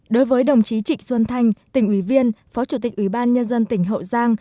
đối với đồng chí trịnh xuân thanh tỉnh ủy viên phó chủ tịch ủy ban nhân dân tỉnh hậu giang